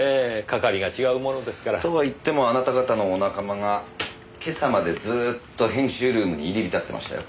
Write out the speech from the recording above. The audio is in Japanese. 係が違うものですから。とは言ってもあなた方のお仲間が今朝までずーっと編集ルームに入り浸ってましたよ。